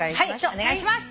はいお願いします。